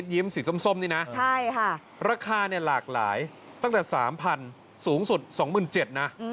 ราคาหลากหลายตั้งแต่๓๐๐๐บาทสูงสุด๒๗๐๐๐บาท